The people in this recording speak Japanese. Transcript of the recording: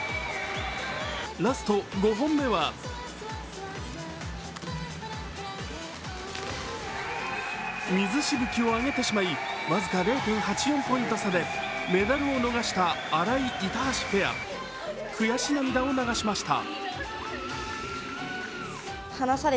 ラスト５本目は水しぶきを上げてしまい、僅か０．８４ポイント差でメダルを逃した荒井・板橋ペア悔し涙を流しました。